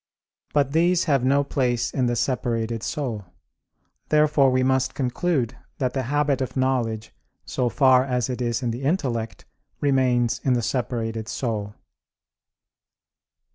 But these have no place in the separated soul. Therefore we must conclude that the habit of knowledge, so far as it is in the intellect, remains in the separated soul.